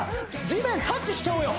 地面タッチしちゃおうよ！